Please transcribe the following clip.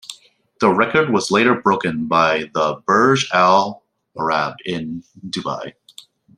The record was later broken by the Burj Al Arab in Dubai.